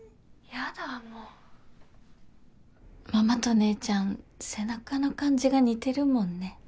ママと姉ちゃん背中の感じが似てるもんね。